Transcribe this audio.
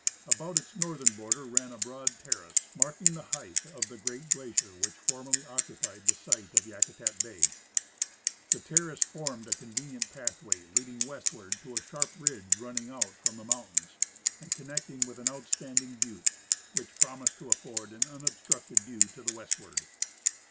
About its northern border ran a broad terrace, marking the height of the great glacier which formerly occupied the site of Yakutat bay. The terrace formed a convenient pathway leading westward to a sharp ridge run ning out from the mountains and connecting with an outstand ing butte, which promised to afford an unobstructed view to the westward.